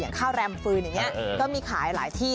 ข้าวแรมฟืนอย่างนี้ก็มีขายหลายที่